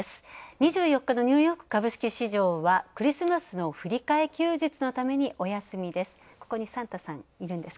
２４日のニューヨーク株式市場はクリスマスの振り替え休日のためにお休みです。